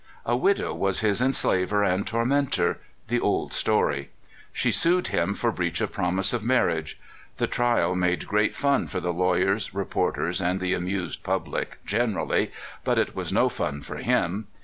A widow was his enslaver and tormentor — the old story. She sued him for breach of promise of marriage. The trial made great fun for the lawyers, reporters, and the amused public generally; but it was no fun for him.